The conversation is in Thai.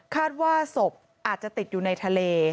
คาดว่าศพอาจจะติดอยู่ในทะเล